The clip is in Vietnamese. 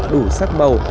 đủ sắc màu